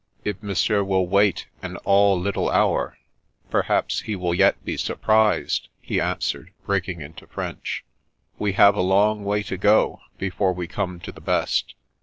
" If Monsieur will wait an all little hour, perhaps he will yet be surprised," he answered, breaking into French. " We have a long way to go, before we come to the best."